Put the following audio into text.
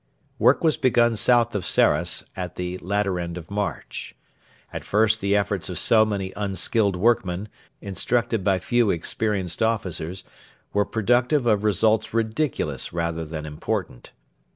Work was begun south of Sarras at the latter end of March. At first the efforts of so many unskilled workmen, instructed by few experienced officers, were productive of results ridiculous rather than important.